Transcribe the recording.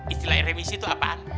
istilah remisi tuh apaan